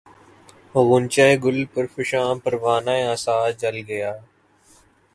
غنچۂ گل پرفشاں پروانہ آسا جل گیا